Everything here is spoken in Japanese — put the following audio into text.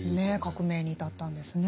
革命に至ったんですね。